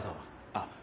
あっ。